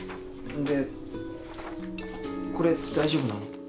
んでこれ大丈夫なの？